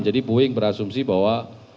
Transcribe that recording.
jadi boeing berasumsi bahwa